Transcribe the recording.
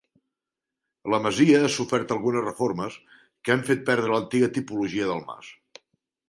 La masia ha sofert algunes reformes que han fet perdre l'antiga tipologia del mas.